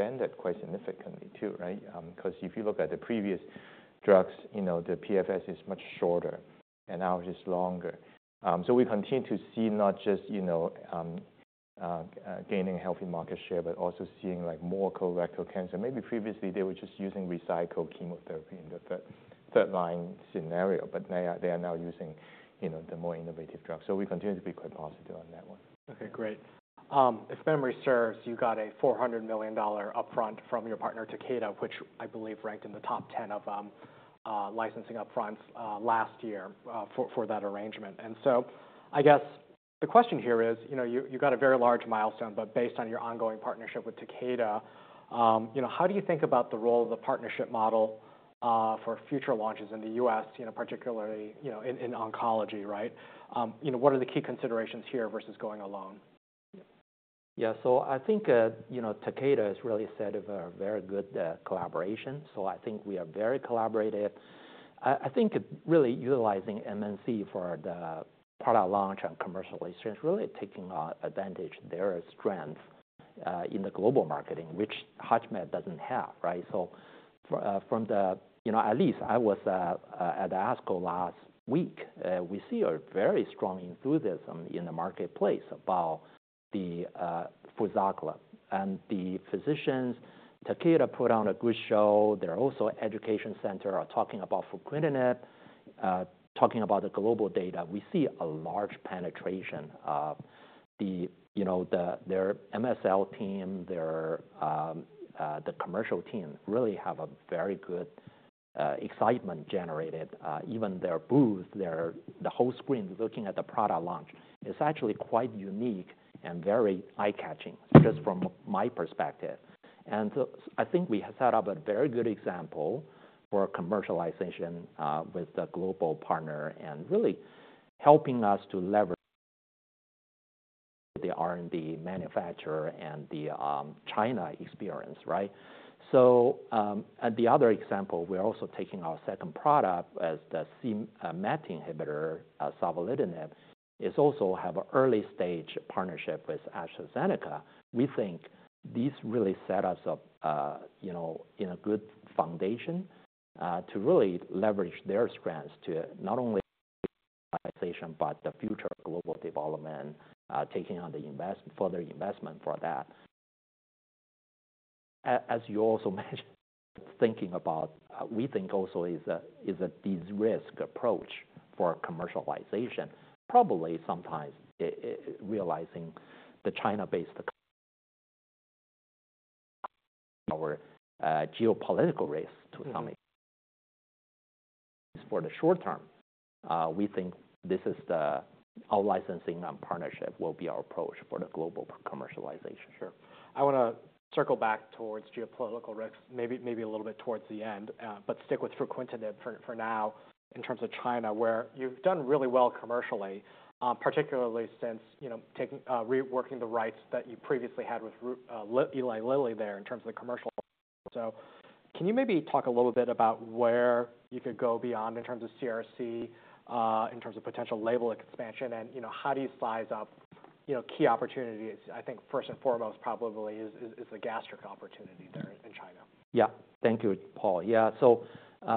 Has expanded quite significantly too, right? Because if you look at the previous drugs, you know, the PFS is much shorter and now it is longer. So we continue to see not just, you know, gaining a healthy market share, but also seeing like more colorectal cancer. Maybe previously they were just using recycled chemotherapy in the third, third line scenario, but they are, they are now using, you know, the more innovative drugs. So we continue to be quite positive on that one. Okay, great. If memory serves, you got a $400 million upfront from your partner, Takeda, which I believe ranked in the top ten of licensing upfronts last year for that arrangement. So I guess the question here is, you know, you got a very large milestone, but based on your ongoing partnership with Takeda, you know, how do you think about the role of the partnership model for future launches in the U.S., you know, particularly, you know, in oncology, right? You know, what are the key considerations here versus going alone? Yeah. So I think, you know, Takeda has really set up a very good, collaboration, so I think we are very collaborative. I, I think really utilizing MNC for the product launch and commercialization is really taking, advantage of their strength, in the global marketing, which HUTCHMED doesn't have, right? So from the... You know, at least I was, at ASCO last week. We see a very strong enthusiasm in the marketplace about the, FRUZAQLA. And the physicians, Takeda put on a good show. There are also education centers are talking about fruquintinib, talking about the global data. We see a large penetration of the, you know, the- their MSL team, their, the commercial team, really have a very good, excitement generated. Even their booth, the whole screen, looking at the product launch, is actually quite unique and very eye-catching, just from my perspective. And so I think we have set up a very good example for commercialization, with the global partner and really helping us to leverage the R&D manufacturer and the China experience, right? So, and the other example, we are also taking our second product as the MET inhibitor, savolitinib, is also have a early-stage partnership with AstraZeneca. We think this really set us up, you know, in a good foundation, to really leverage their strengths to not only but the future global development, taking on the further investment for that. As you also mentioned, thinking about, we think also is a de-risk approach for commercialization. Probably sometimes realizing the China-based geopolitical risk to some for the short term, we think this is the our licensing and partnership will be our approach for the global commercialization. Sure. I want to circle back towards geopolitical risks, maybe a little bit towards the end, but stick with fruquintinib for now in terms of China, where you've done really well commercially. Particularly since, you know, taking reworking the rights that you previously had with Eli Lilly there in terms of the commercial. So can you maybe talk a little bit about where you could go beyond in terms of CRC in terms of potential label expansion, and, you know, how do you size up key opportunities? I think first and foremost probably is the gastric opportunity there in China. Yeah. Thank you, Paul. Yeah. So,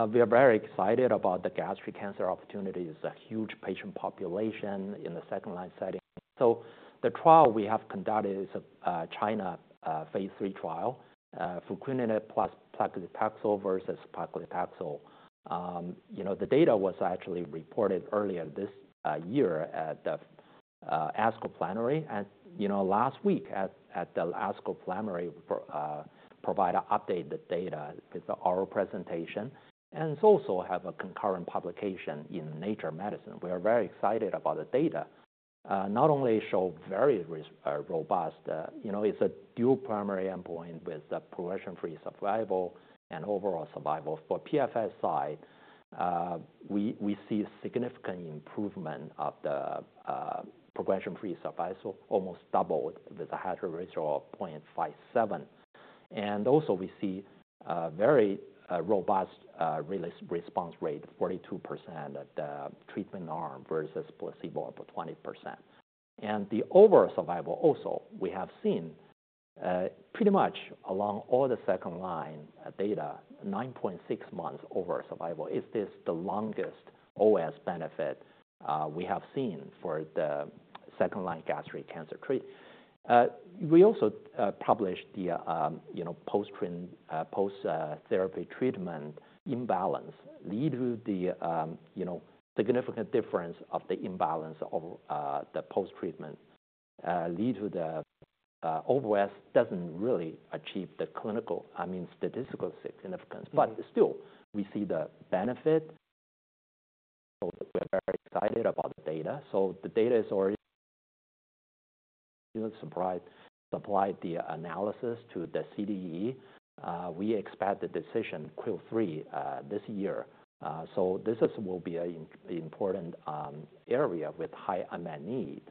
we are very excited about the gastric cancer opportunity. It's a huge patient population in the second-line setting. So the trial we have conducted is a China Phase III trial, fruquintinib plus paclitaxel versus paclitaxel. You know, the data was actually reported earlier this year at the ASCO Plenary. And, you know, last week at the ASCO Plenary, provide an update the data with the oral presentation, and it's also have a concurrent publication in Nature Medicine. We are very excited about the data. Not only show very robust, you know, it's a dual primary endpoint with the progression-free survival and overall survival. For PFS side, we see significant improvement of the progression-free survival, almost doubled with the hazard ratio of 0.57. Also we see a very robust response rate, 42% at the treatment arm versus placebo for 20%. The overall survival also we have seen pretty much along all the second-line data, 9.6 months overall survival. Is this the longest OS benefit we have seen for the second-line gastric cancer treat? We also published the, you know, post-therapy treatment imbalance lead to the, you know, significant difference of the imbalance of the post-treatment lead to the OS doesn't really achieve the clinical, I mean, statistical significance. But still, we see the benefit. So we are very excited about the data. So the data is already supplied the analysis to the CDE. We expect the decision Q3 this year. So this will be an important area with high unmet need.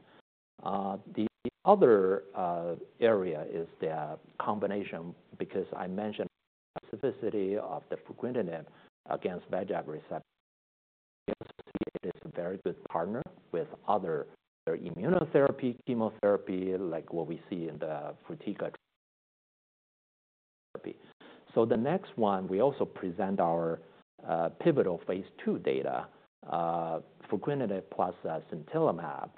The other area is the combination, because I mentioned specificity of the fruquintinib against MEK receptor. It is a very good partner with other immunotherapy, chemotherapy, like what we see in the FRUTIGA therapy. So the next one, we also present our pivotal Phase II data, fruquintinib plus sintilimab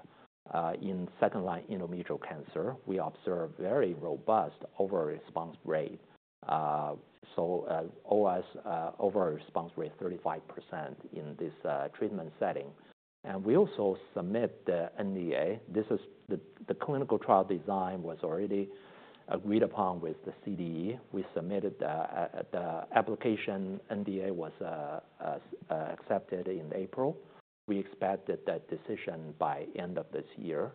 in second-line endometrial cancer. We observe very robust overall response rate. So OS, overall response rate, 35% in this treatment setting. And we also submit the NDA. This is the clinical trial design was already agreed upon with the CDE. We submitted the application, NDA was accepted in April. We expected that decision by end of this year.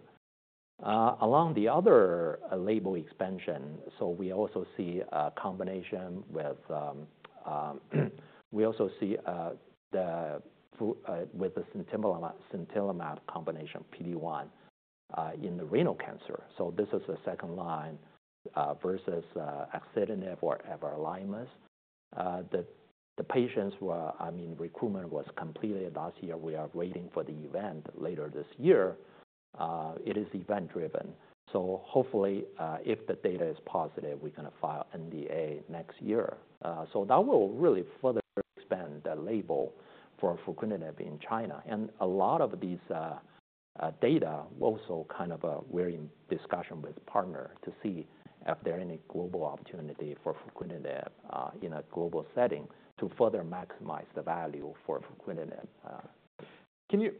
Along the other label expansion, so we also see a combination with the sintilimab combination PD-1 in the renal cancer. So this is the second line versus axitinib or everolimus. The patients were I mean, recruitment was completed last year. We are waiting for the event later this year. It is event-driven, so hopefully, if the data is positive, we're going to file NDA next year. So that will really further expand the label for fruquintinib in China. A lot of these data also kind of, we're in discussion with partner to see if there are any global opportunity for fruquintinib in a global setting to further maximize the value for fruquintinib. Can you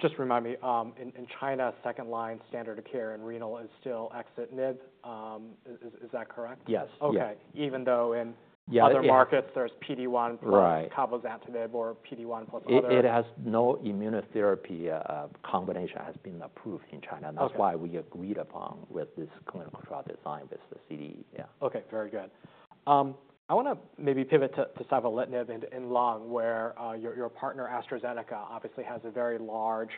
just remind me, in China, second-line standard of care in renal is still axitinib. Is that correct? Yes. Yeah. Okay. Yeah, in Other markets, there's PD-1 plus Right. cabozantinib or PD-1 plus other No immunotherapy combination has been approved in China. Okay. That's why we agreed upon with this clinical trial design, with the CDE. Yeah. Okay, very good. I want to maybe pivot to savolitinib in lung, where your partner, AstraZeneca, obviously has a very large,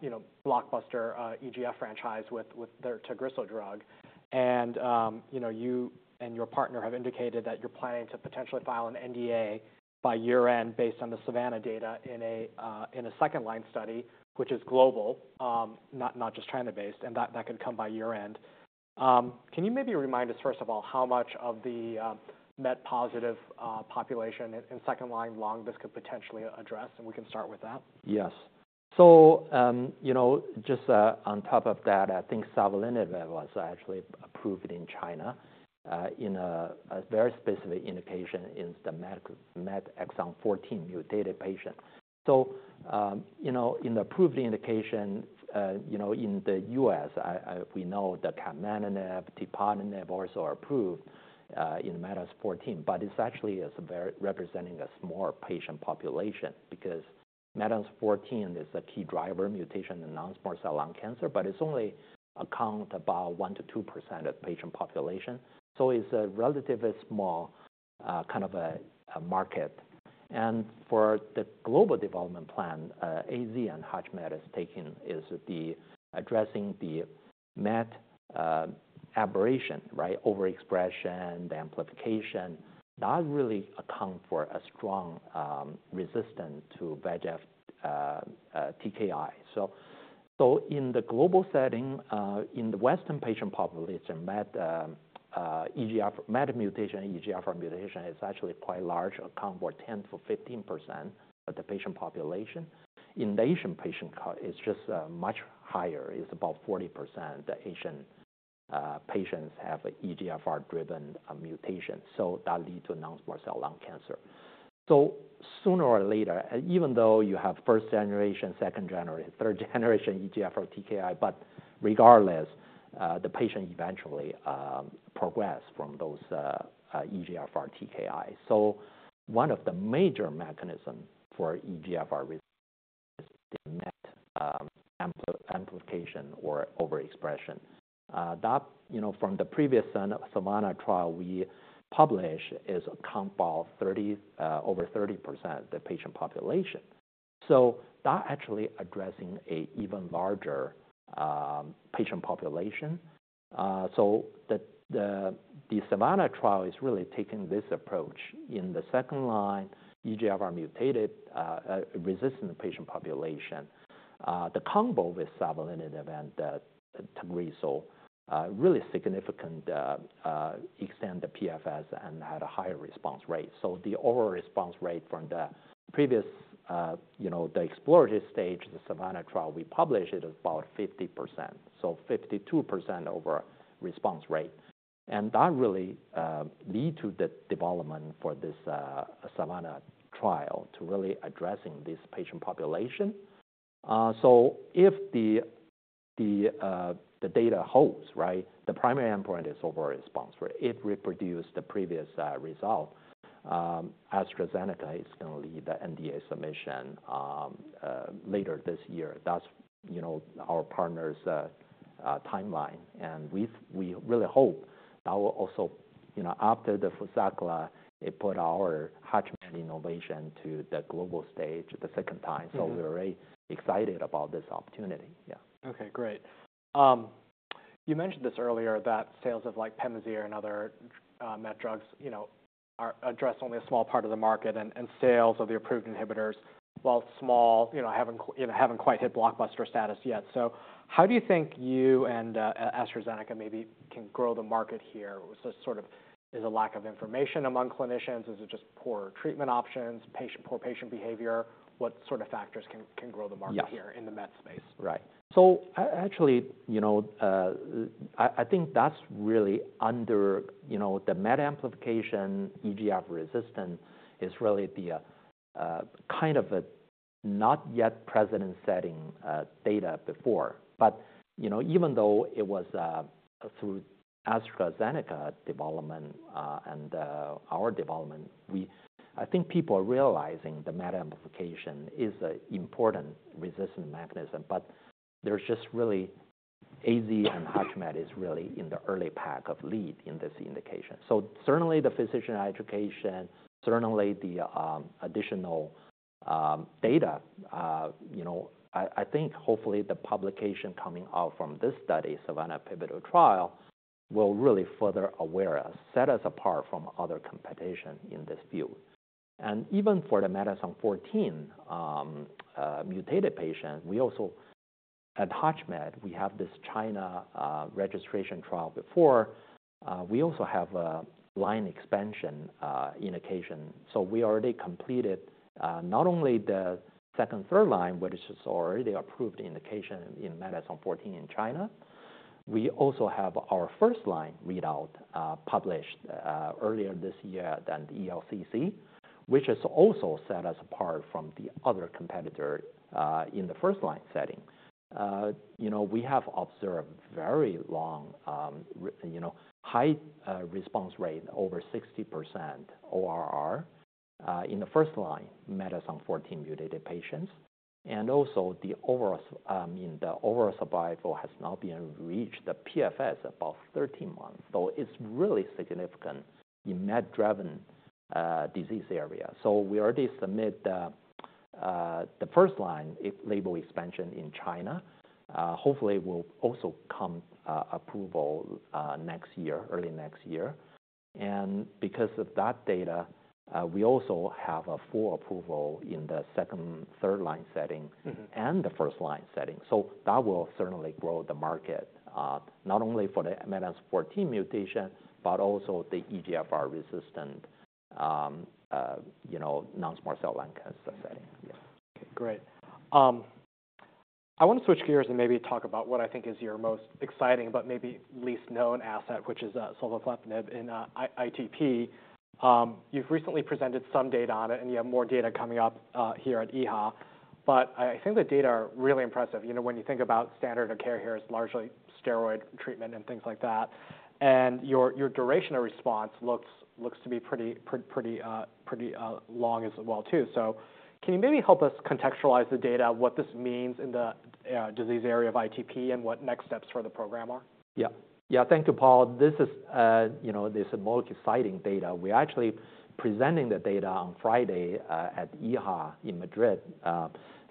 you know, blockbuster EGF franchise with their TAGRISSO drug. And you know, you and your partner have indicated that you're planning to potentially file an NDA by year-end based on the SAVANNAH data in a second line study, which is global, not just China-based, and that could come by year-end. Can you maybe remind us, first of all, how much of the MET-positive population in second-line lung this could potentially address? And we can start with that. Yes. So, you know, just, on top of that, I think savolitinib was actually approved in China, in a very specific indication in the MET, MET exon 14 mutated patient. So, you know, in the approved indication, you know, in the U.S., I we know that capmatinib, tepotinib also are approved, in METex14, but it's actually is very representing a small patient population because METex14 is a key driver mutation in non-small cell lung cancer, but it's only account about 1%-2% of patient population. So it's a relatively small, kind of a market. And for the global development plan, AZ and HUTCHMED is taking is the addressing the MET, aberration, right? Overexpression, the amplification, that really account for a strong, resistance to VEGF TKI. So in the global setting, in the Western patient population, MET, EGFR, MET mutation, EGFR mutation is actually quite large, account for 10%-15% of the patient population. In the Asian patient, it's just much higher. It's about 40%. The Asian patients have EGFR-driven mutation, so that lead to non-small cell lung cancer. So sooner or later, even though you have first generation, second generation, third generation EGFR TKI, but regardless, the patient eventually progress from those EGFR TKIs. So one of the major mechanism for EGFR is the MET amplification or overexpression. That, you know, from the previous Savanna trial we published, is account about over 30% the patient population. So that actually addressing a even larger patient population. So the SAVANNAH trial is really taking this approach. In the second-line EGFR mutated resistant patient population, the combo with savolitinib and the TAGRISSO really significant extend the PFS and had a higher response rate. So the overall response rate from the previous, you know, the exploratory stage, the SAVANNAH trial, we published it about 50%, so 52% overall response rate. And that really lead to the development for this SAVANNAH trial to really addressing this patient population. So if the data holds, right, the primary endpoint is overall response rate. It reproduce the previous result, AstraZeneca is going to lead the NDA submission later this year. That's, you know, our partner's timeline, and we really hope that will also, you know, after the FRUZAQLA, it put our HUTCHMED innovation to the global stage the second time. We're very excited about this opportunity. Yeah. Okay, great. You mentioned this earlier, that sales of like Pemazyre and other MET drugs, you know, only address a small part of the market, and sales of the approved inhibitors, while small, you know, haven't quite hit blockbuster status yet. So how do you think you and AstraZeneca maybe can grow the market here? So sort of, is a lack of information among clinicians? Is it just poor treatment options, poor patient behavior? What sort of factors can grow the market? Yes. Here in the MET space? Right. So actually, you know, I think that's really under, you know, the MET amplification, EGFR resistance is really the kind of a not yet precedent-setting data before. But, you know, even though it was through AstraZeneca development and our development, I think people are realizing the MET amplification is an important resistance mechanism, but there's just really AZ and HUTCHMED is really in the early pack of lead in this indication. So certainly the physician education, certainly the additional data, you know, I think hopefully the publication coming out from this study, Savolitinib Pivotal Trial, will really further awareness, set us apart from other competition in this field. And even for the MET exon 14 mutated patient, we also at HUTCHMED, we have this China registration trial before. We also have a line expansion indication. So we already completed not only the second, third line, which is already approved indication in MET exon 14 in China, we also have our first line readout published earlier this year at the ELCC, which has also set us apart from the other competitor in the first line setting. You know, we have observed very long, you know, high response rate, over 60% ORR in the first line, MET exon 14 mutated patients, and also the overall, I mean, the overall survival has now been reached, the PFS, about 13 months. So it's really significant in MET-driven disease area. So we already submit the, the first line, if label expansion in China. Hopefully will also come approval next year, early next year. Because of that data, we also have a full approval in the second, third line setting and the first-line setting. So that will certainly grow the market, not only for the MET exon 14 mutation, but also the EGFR resistant, you know, non-small cell lung cancer setting. Yeah. Great. I want to switch gears and maybe talk about what I think is your most exciting but maybe least known asset, which is sovleplenib in ITP. You've recently presented some data on it, and you have more data coming up here at EHA, but I think the data are really impressive. You know, when you think about standard of care here is largely steroid treatment and things like that. And your durable response looks to be pretty long as well, too. So can you maybe help us contextualize the data, what this means in the disease area of ITP and what next steps for the program are? Yeah. Yeah, thank you, Paul. This is, you know, this is more exciting data. We're actually presenting the data on Friday, at EHA in Madrid.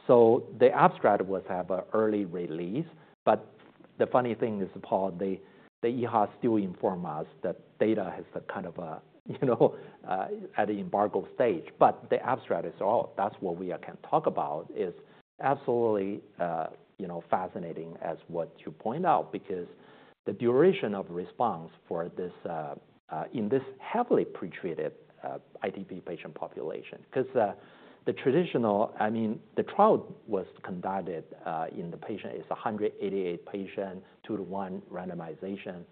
So the abstract has had an early release, but the funny thing is, Paul, the EHA still informs us that data has a kind of a, you know, at an embargo stage, but the abstract is all. That's what we can talk about, is absolutely, you know, fascinating as what you point out, because the duration of response for this, in this heavily pretreated, ITP patient population. Because, the traditional - I mean, the trial was conducted, in patients. It's 188 patients, 2-to-1 randomization,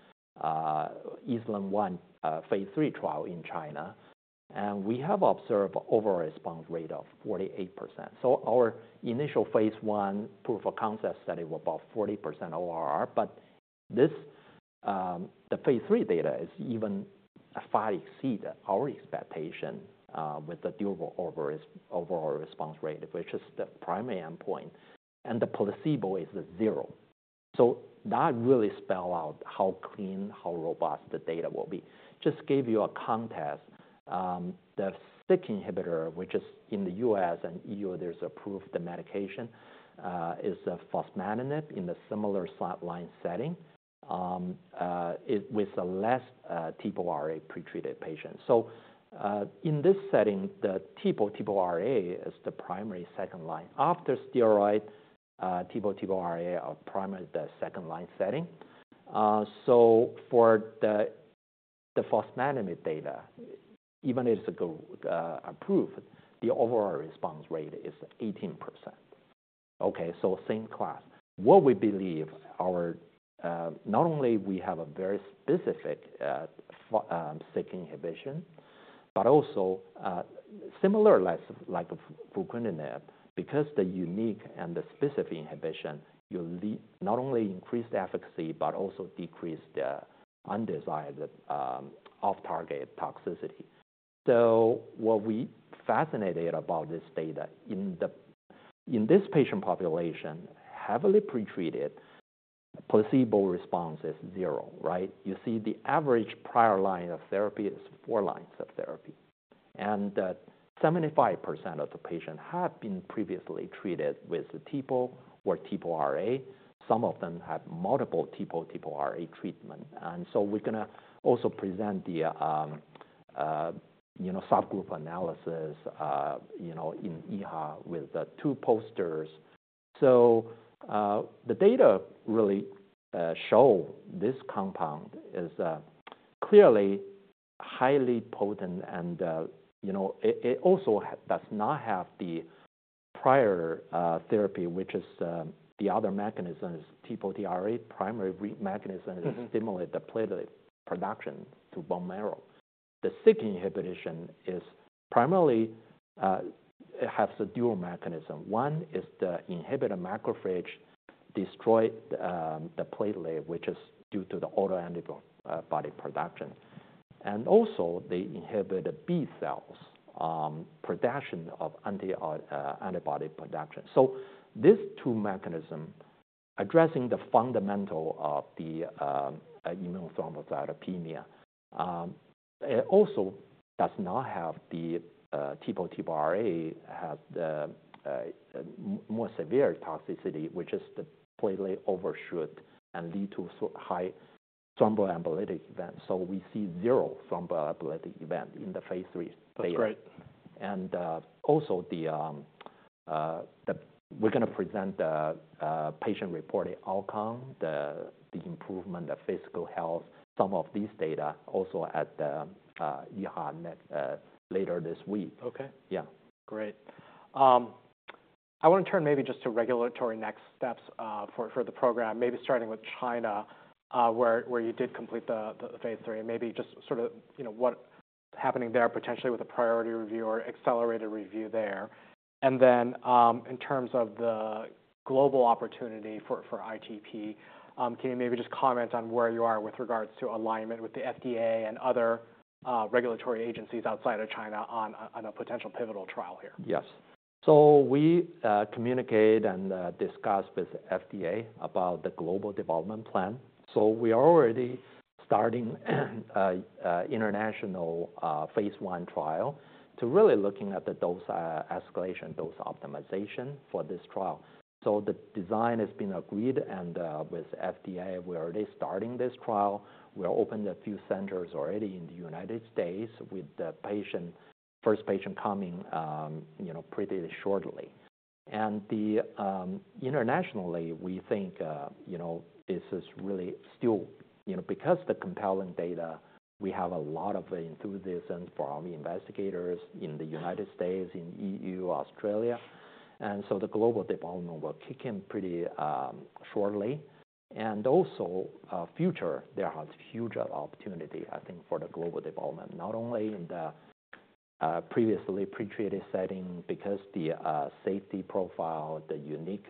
ESLIM-01, Phase III trial in China. And we have observed overall response rate of 48%. So our initial Phase I proof of concept study was about 40% ORR, but this, the Phase III data is even far exceed our expectation, with the durable over- overall response rate, which is the primary endpoint, and the placebo is zero. So that really spell out how clean, how robust the data will be. Just give you a context, the SYK inhibitor, which is in the U.S. and EU, there's approved the medication, is a fostamatinib in a similar second-line setting, it with a less TPO-RA pretreated patient. So, in this setting, the TPO, TPO-RA is the primary second line. After steroid, TPO, TPO-RA are primary, the second-line setting. So for the, the fostamatinib data, even if it go, approved, the overall response rate is 18%. Okay, so same class. What we believe our, not only we have a very specific, Syk inhibition, but also, similar like, like fruquintinib, because the unique and the specific inhibition, you lead not only increased efficacy, but also decreased the undesired, off-target toxicity. So what we fascinated about this data, in the, in this patient population, heavily pretreated, placebo response is zero, right? You see the average prior line of therapy is four lines of therapy... and, seventy-five percent of the patients have been previously treated with TPO or TPO-RA. Some of them have multiple TPO, TPO-RA treatment. And so we're gonna also present the, you know, subgroup analysis, you know, in EHA with the two posters. So, the data really show this compound is clearly highly potent and, you know, it also does not have the prior therapy, which is the other mechanism is TPO-RA. Primary mechanism is stimulate the platelet production to bone marrow. The Syk inhibition is primarily, it has a dual mechanism. One, is the inhibitor macrophage destroy the, the platelet, which is due to the autoantibody, body production. And also they inhibit the B cells, production of anti, antibody production. So these two mechanisms, addressing the fundamental of the, immune thrombocytopenia, it also does not have the, TPO, TPO-RA, has the, more severe toxicity, which is the platelet overshoot and lead to so high thromboembolic event. So we see zero thromboembolic event in the phase 3 data. That's great. Also, we're gonna present the patient-reported outcome, the improvement of physical health, some of these data also at the EHA later this week. Okay. Yeah. Great. I want to turn maybe just to regulatory next steps for the program. Maybe starting with China, where you did complete the Phase III, and maybe just sort of, you know, what happening there, potentially with a priority review or accelerated review there. And then, in terms of the global opportunity for ITP, can you maybe just comment on where you are with regards to alignment with the FDA and other regulatory agencies outside of China on a potential pivotal trial here? Yes. So we communicate and discuss with FDA about the global development plan. So we are already starting international phase one trial to really looking at the dose escalation, dose optimization for this trial. So the design has been agreed, and with FDA, we're already starting this trial. We opened a few centers already in the United States, with the first patient coming, you know, pretty shortly. And internationally, we think, you know, this is really still you know, because the compelling data, we have a lot of enthusiasm from investigators in the United States, in EU, Australia, and so the global development will kick in pretty shortly. Also, future, there has huge opportunity, I think, for the global development, not only in the previously pretreated setting, because the safety profile, the unique,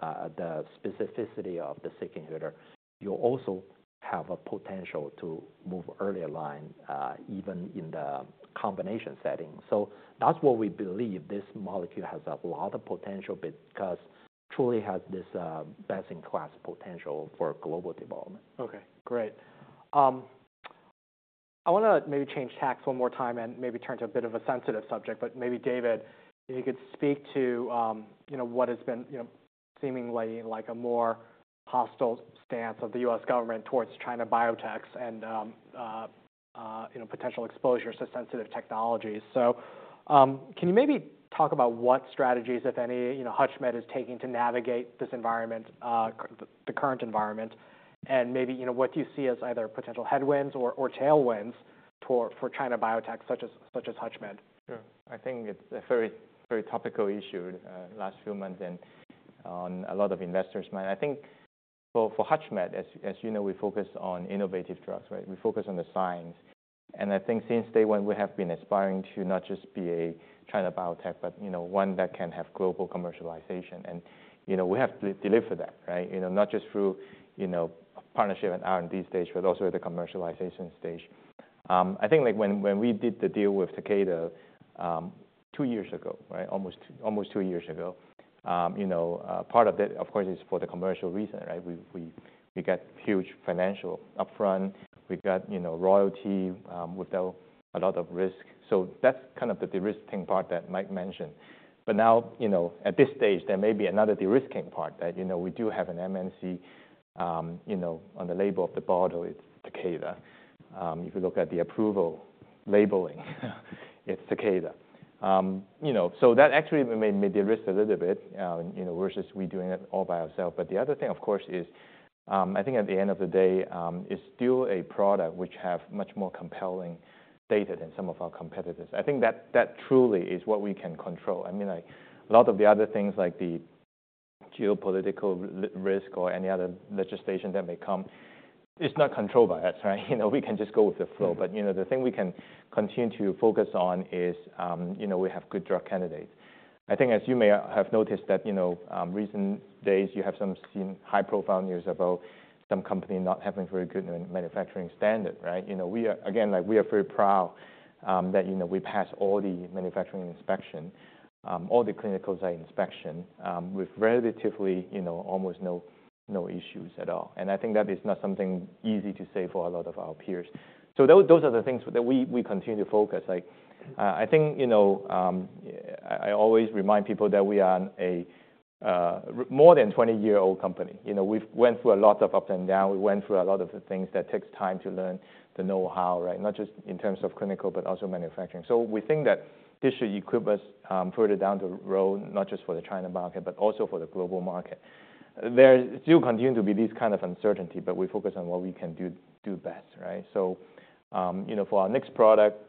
the specificity of the Syk inhibitor. You also have a potential to move earlier line, even in the combination setting. So that's what we believe this molecule has a lot of potential because truly has this best-in-class potential for global development. Okay, great. I wanna maybe change tacks one more time and maybe turn to a bit of a sensitive subject, but maybe, David, if you could speak to, you know, what has been, you know, seemingly like a more hostile stance of the U.S. government towards China biotechs and, you know, potential exposure to sensitive technologies. So, can you maybe talk about what strategies, if any, you know, HUTCHMED is taking to navigate this environment, the current environment, and maybe, you know, what you see as either potential headwinds or tailwinds for China biotechs such as HUTCHMED? Sure. I think it's a very, very topical issue last few months and on a lot of investors' mind. I think for HUTCHMED, as you know, we focus on innovative drugs, right? We focus on the science, and I think since day one, we have been aspiring to not just be a China biotech, but, you know, one that can have global commercialization. And, you know, we have to deliver that, right? You know, not just through, you know, partnership and R&D stage, but also the commercialization stage. I think, like, when we did the deal with Takeda, two years ago, right? Almost two years ago, you know, part of it, of course, is for the commercial reason, right? We got huge financial upfront. We got, you know, royalty without a lot of risk. So that's kind of the de-risking part that Mike mentioned. But now, you know, at this stage, there may be another de-risking part that, you know, we do have an MNC, you know, on the label of the bottle, it's Takeda. If you look at the approval labeling, it's Takeda. You know, so that actually may de-risk a little bit, you know, versus we doing it all by ourselves. But the other thing, of course, is, I think at the end of the day, it's still a product which have much more compelling data than some of our competitors. I think that, that truly is what we can control. I mean, like, a lot of the other things like the geopolitical risk or any other legislation that may come, it's not controlled by us, right? You know, we can just go with the flow. But, you know, the thing we can continue to focus on is, you know, we have good drug candidates. I think, as you may have noticed, that, you know, recent days, you have some seen high-profile news about some company not having very good manufacturing standard, right? You know, we are, again, like, we are very proud, that, you know, we pass all the manufacturing inspection, all the clinical site inspection, with relatively, you know, almost no, no issues at all. And I think that is not something easy to say for a lot of our peers. So those, those are the things that we, we continue to focus. Like, I think, you know, I always remind people that we are more than 20-year-old company. You know, we've went through a lot of ups and downs. We went through a lot of the things that takes time to learn the know-how, right? Not just in terms of clinical, but also manufacturing. So we think that this should equip us further down the road, not just for the China market, but also for the global market. There still continue to be this kind of uncertainty, but we focus on what we can do best, right? So, you know, for our next product,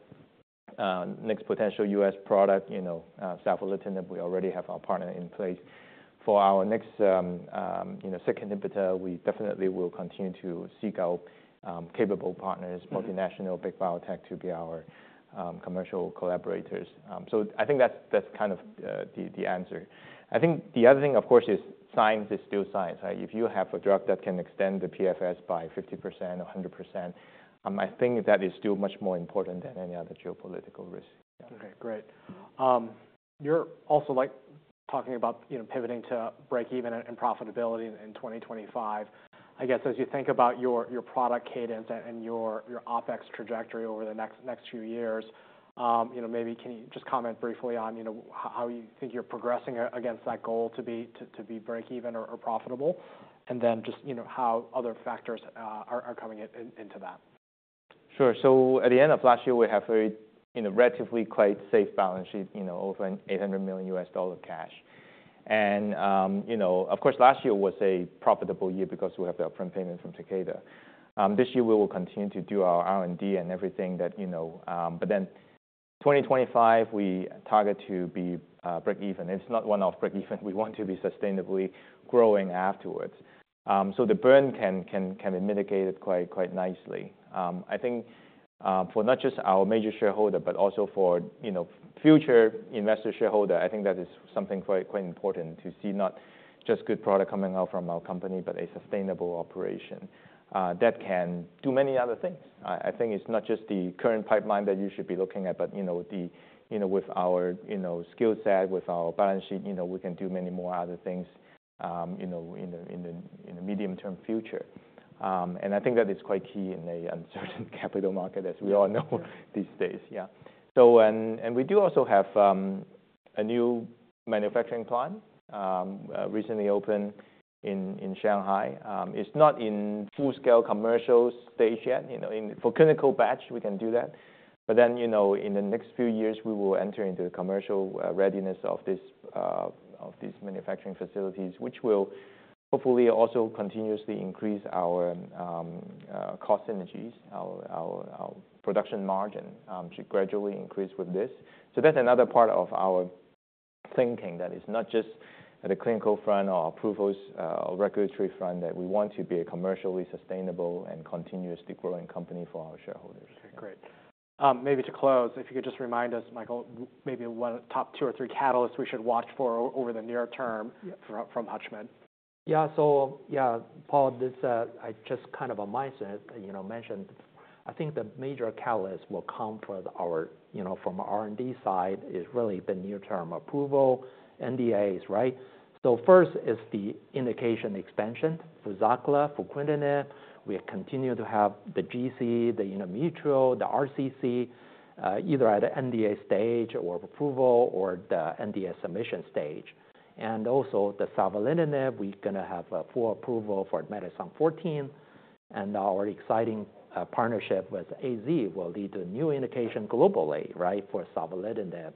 next potential U.S. product, you know, savolitinib, we already have our partner in place. For our next, you know, second inhibitor, we definitely will continue to seek out capable partners, multinational, big biotech, to be our commercial collaborators. So I think that's kind of the answer. I think the other thing, of course, is science is still science, right? If you have a drug that can extend the PFS by 50% or 100%, I think that is still much more important than any other geopolitical risk. Okay, great. You're also, like, talking about, you know, pivoting to breakeven and profitability in 2025. I guess, as you think about your product cadence and your OpEx trajectory over the next few years, you know, maybe can you just comment briefly on, you know, how you think you're progressing against that goal to be breakeven or profitable? And then just, you know, how other factors are coming into that. Sure. So at the end of last year, we have very, you know, relatively quite safe balance sheet, you know, over $800 million cash. And, you know, of course, last year was a profitable year because we have the upfront payment from Takeda. This year, we will continue to do our R&D and everything that you know. But then 2025, we target to be breakeven. It's not one-off breakeven, we want to be sustainably growing afterwards. So the burn can be mitigated quite nicely. I think, for not just our major shareholder, but also for, you know, future investor shareholder, I think that is something quite important to see not just good product coming out from our company, but a sustainable operation that can do many other things. I think it's not just the current pipeline that you should be looking at, but you know, with our skill set, with our balance sheet, you know, we can do many more other things, you know, in the medium-term future. And I think that is quite key in an uncertain capital market, as we all know these days. Yeah. So and we do also have a new manufacturing plant recently opened in Shanghai. It's not in full-scale commercial stage yet. You know, in for clinical batch, we can do that. But then, you know, in the next few years, we will enter into the commercial readiness of these manufacturing facilities, which will hopefully also continuously increase our cost synergies, our production margin should gradually increase with this. So that's another part of our thinking, that it's not just at a clinical front or approvals, or regulatory front, that we want to be a commercially sustainable and continuously growing company for our shareholders. Okay, great. Maybe to close, if you could just remind us, Michael, maybe top two or three catalysts we should watch for over the near term- Yeah. From Hutchmed. Yeah. So, yeah, Paul, this, I just kind of a mindset, you know, mentioned. I think the major catalyst will come from our, you know, from R&D side, is really the near-term approval, NDAs, right? So first is the indication expansion for ELUNATE, for fruquintinib. We continue to have the GC, the, you know, MET, the RCC, either at the NDA stage or approval or the NDA submission stage. And also the savolitinib, we're gonna have a full approval for METex14, and our exciting, partnership with AZ will lead to a new indication globally, right, for savolitinib,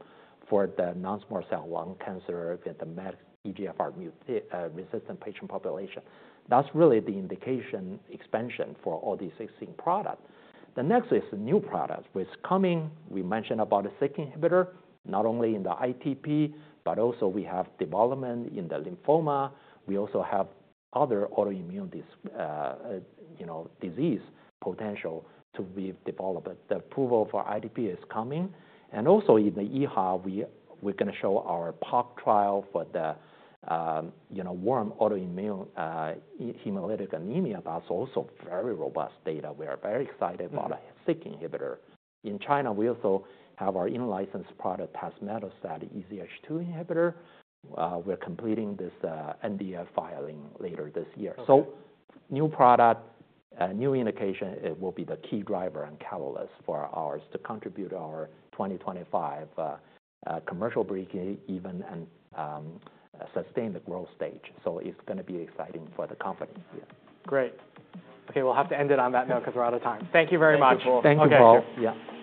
for the non-small cell lung cancer with the MET EGFR mutant resistant patient population. That's really the indication expansion for all these existing products. The next is the new products, which coming, we mentioned about the Syk inhibitor, not only in the ITP, but also we have development in the lymphoma. We also have other autoimmune disease potential to be developed. The approval for ITP is coming. And also in the EHA, we, we're gonna show our PoC trial for the, you know, warm autoimmune, hemolytic anemia. That's also very robust data. We are very excited about our Syk inhibitor. In China, we also have our in-licensed product, tazemetostat EZH2 inhibitor. We're completing this, NDA filing later this year. Okay. So new product, new indication, it will be the key driver and catalyst for ours to contribute our 2025 commercial breakeven and sustained growth stage. So it's gonna be exciting for the company. Yeah. Great. Okay, we'll have to end it on that note because we're out of time. Thank you very much. Thank you, Paul. Okay. Yeah.